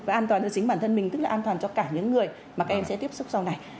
và an toàn cho chính bản thân mình tức là an toàn cho cả những người mà các em sẽ tiếp xúc sau này